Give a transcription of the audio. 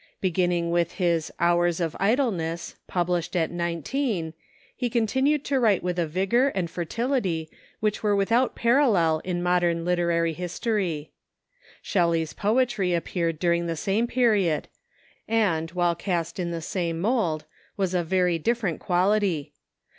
Beginning with his "Hours of Idleness," 422 THE MODERN CIIUKCH published at nineteen, he continued to write with a vigor and fertility which were without parallel in modern lit The Byronic gj j^jy J^istory. Shelley's poetry appeared during the same period, and, while cast in the same mould, was of very different quality.